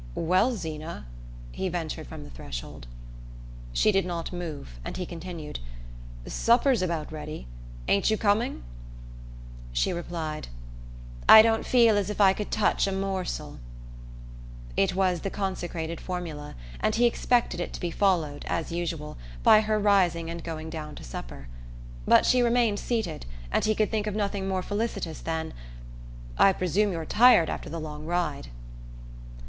"Well, Zeena," he ventured from the threshold. She did not move, and he continued: "Supper's about ready. Ain't you coming?" She replied: "I don't feel as if I could touch a morsel." It was the consecrated formula, and he expected it to be followed, as usual, by her rising and going down to supper. But she remained seated, and he could think of nothing more felicitous than: "I presume you're tired after the long ride."